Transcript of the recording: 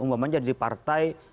umumnya jadi partai dua satu dua